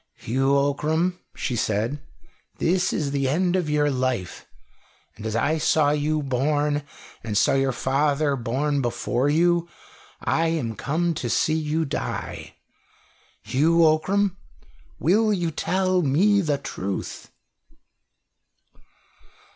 "Hugh Ockram," she said, "this is the end of your life; and as I saw you born, and saw your father born before you, I am come to see you die. Hugh Ockram, will you tell me the truth?"